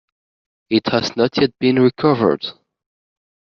It has not yet been recovered.